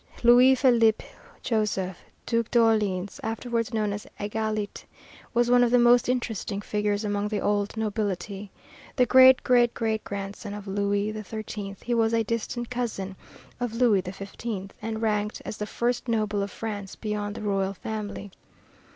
Louis Philippe Joseph, Duc d'Orleans, afterward known as Égalité, was one of the most interesting figures among the old nobility. The great great great grandson of Louis XIII, he was a distant cousin of Louis XVI, and ranked as the first noble of France beyond the royal family.